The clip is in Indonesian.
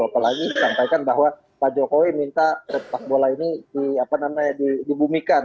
apalagi sampaikan bahwa pak jokowi minta sepak bola ini dibumikan